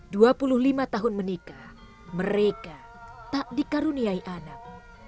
dua puluh lima tahun menikah mereka tak dikaruniai anak